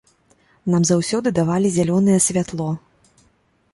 Нам заўсёды давалі зялёнае святло.